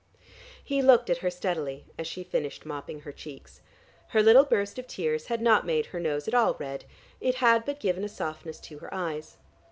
He looked at her steadily, as she finished mopping her cheeks. Her little burst of tears had not made her nose at all red; it had but given a softness to her eyes.